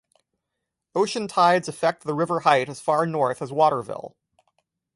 Ocean tides affect the river height as far north as Waterville.